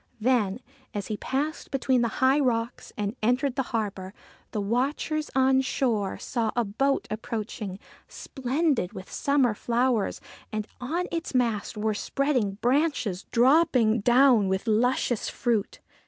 Then, as he passed between the high rocks and entered the harbour, the watchers on shore saw a boat approaching, splendid with summer flowers, and on its mast were spreading branches dropping down with luscious fruit.